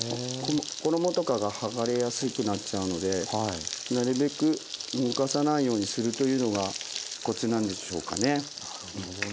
衣とかがはがれやすくなっちゃうのでなるべく動かさないようにするというのがコツなんでしょうかね。